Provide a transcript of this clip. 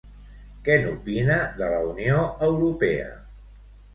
Què n'opina de la Unió Europea?